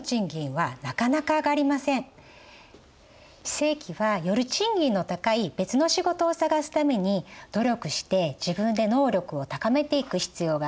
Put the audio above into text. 非正規はより賃金の高い別の仕事を探すために努力して自分で能力を高めていく必要があります。